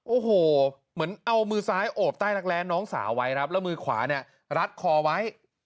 โอ้โหเหมือนเอามือซ้ายโอบใต้รักแร้น้องสาวไว้ครับแล้วมือขวาเนี่ยรัดคอไว้